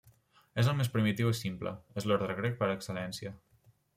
És el més primitiu i simple; és l'ordre grec per excel·lència.